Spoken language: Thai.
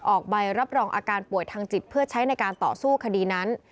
ออกใบรับรองอาการป่วยทางจิตเพื่อใช้ในการต่อสู้คดีนั้น